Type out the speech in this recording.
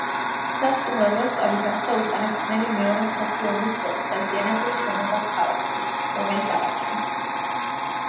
სასტუმრო „როსტოვი“ გახდა უკანასკნელი, მეორე მსოფლიო ომის დროს დაზიანებული შენობა ქალაქში, რომელიც აღადგინეს.